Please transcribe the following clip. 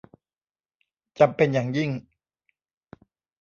จำเป็นอย่างยิ่ง